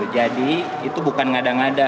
jadi itu bukan mengada ngada